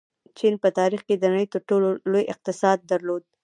چین په تاریخ کې د نړۍ تر ټولو لوی اقتصاد درلود.